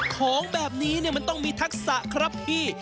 ของแบบนี้มันต้องมีทักษะครับพี่